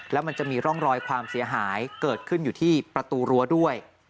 แล้วมันจะมีร่องรอยความเสียหายเกิดขึ้นอยู่ที่ประตูรั้วด้วย